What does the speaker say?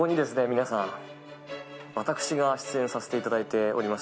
皆さん私が出演させていただいております